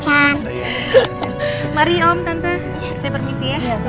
saya permisi ya